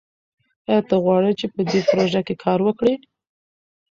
ایا ته غواړې چې په دې پروژه کې کار وکړې؟